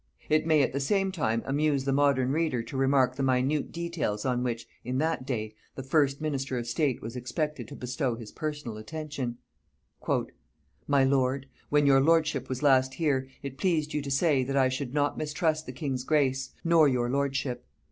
It may at the same time amuse the modern reader to remark the minute details on which, in that day, the first minister of state was expected to bestow his personal attention. "...My lord, when your lordship was last here, it pleased you to say, that I should not mistrust the king's grace, nor your lordship.